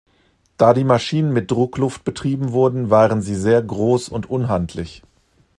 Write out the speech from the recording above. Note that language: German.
Da die Maschinen mit Druckluft betrieben wurden, waren sie sehr groß und unhandlich.